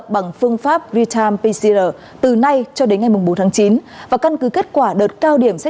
bằng phương pháp retarm pzr từ nay cho đến ngày bốn tháng chín và căn cứ kết quả đợt cao điểm xét